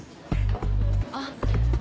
あっ。